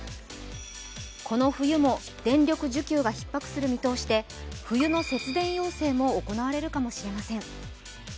この冬も電力需給がひっ迫する見通しで冬の節電要請も行われるかもしれません。